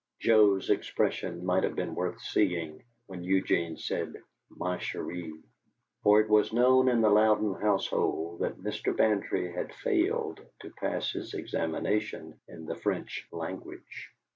Joe's expression might have been worth seeing when Eugene said "ma cherie," for it was known in the Louden household that Mr. Bantry had failed to pass his examination in the French language.